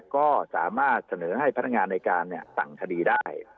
ก็สามารถเสนอให้พนักงานในการสั่งคดีได้